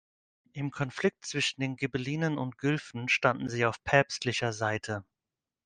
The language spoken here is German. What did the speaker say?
Im Konflikt zwischen den Ghibellinen und Guelfen standen sie auf päpstlicher Seite.